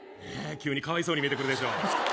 急にかわいそうに見えてくるでしょ？